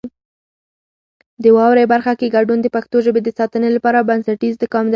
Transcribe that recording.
د واورئ برخه کې ګډون د پښتو ژبې د ساتنې لپاره بنسټیز ګام دی.